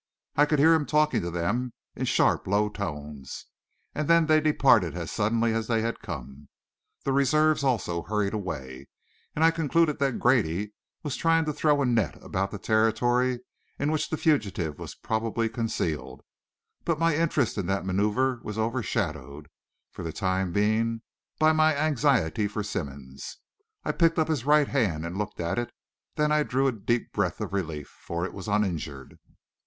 I could hear him talking to them in sharp, low tones, and then they departed as suddenly as they had come. The reserves also hurried away, and I concluded that Grady was trying to throw a net about the territory in which the fugitive was probably concealed; but my interest in that manoeuvre was overshadowed, for the time being, by my anxiety for Simmonds. I picked up his right hand and looked at it; then I drew a deep breath of relief, for it was uninjured.